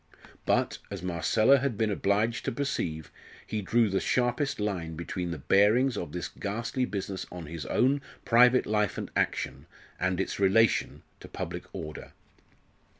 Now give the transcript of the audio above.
But, as Marcella had been obliged to perceive, he drew the sharpest line between the bearings of this ghastly business on his own private life and action, and its relation to public order.